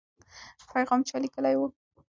پیغام چا لیکلی و؟